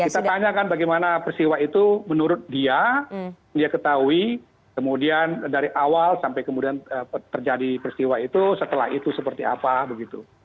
kita tanyakan bagaimana persiwa itu menurut dia dia ketahui kemudian dari awal sampai kemudian terjadi peristiwa itu setelah itu seperti apa begitu